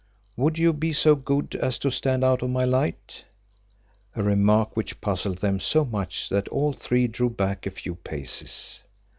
Would you be so good as to stand out of my light?" a remark which puzzled them so much that all three drew back a few paces.